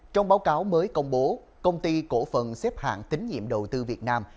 trong báo cáo mới công bố công ty cổ phần xếp hạng tín nhiệm đầu tư việt nam